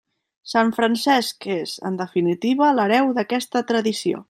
Sant Francesc és, en definitiva, l'hereu d'aquesta tradició.